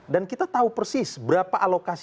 dan kita tahu persis berapa alokasi dana yang dikeluarkan